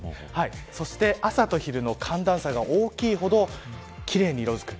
そして朝と昼の寒暖差が大きいほど奇麗に色づく。